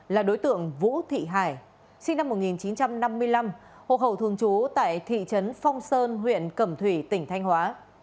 là đối tượng vũ thị hải sinh năm một nghìn chín trăm năm mươi năm hộ khẩu thường trú tại thị trấn phong sơn huyện cẩm thủy tỉnh thanh hóa